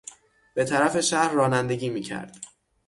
به طرف شهر رانندگی میکرد.